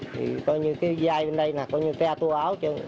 thì coi như cái vai bên đây này coi như pha tua áo chứ